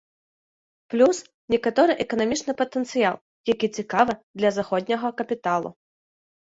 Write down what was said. Плюс некаторы эканамічны патэнцыял, які цікавы для заходняга капіталу.